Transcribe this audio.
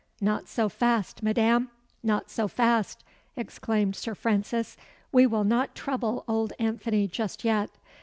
"Not so fast, Madam not so fast!" exclaimed Sir Francis. "We will not trouble old Anthony just yet.